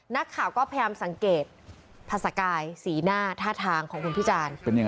นักข่าวก็พยายามสังเกตภาษากายสีหน้าท่าทางของคุณพิจารณ์